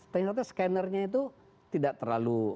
ternyata scannernya itu tidak terlalu